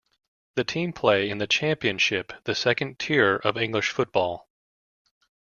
The team play in the Championship, the second tier of English football.